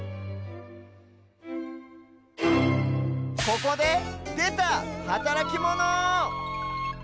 ここででたはたらきモノ！